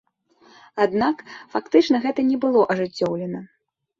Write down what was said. Аднак, фактычна гэта не было ажыццёўлена.